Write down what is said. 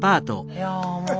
いやあもう。